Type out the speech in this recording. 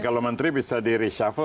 kalau menteri bisa di reshuffle